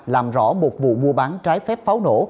làm rõ một vụ mua bán trái phép pháo nổ